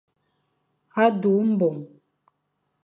A du mbong.